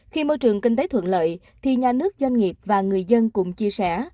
khi môi trường kinh tế thuận lợi thì nhà nước doanh nghiệp và người dân cùng chia sẻ